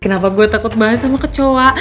kenapa gue takut banget sama kecoa